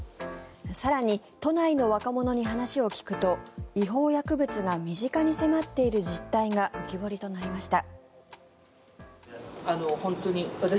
更に都内の若者に話を聞くと違法薬物が身近に迫っている実態が浮き彫りとなりました。